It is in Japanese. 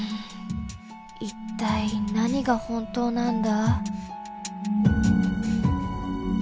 一体何が本当なんだ？